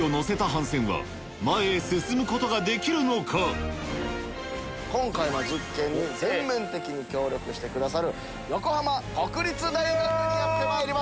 果たして今回の実験に全面的に協力してくださる横浜国立大学にやってまいりました。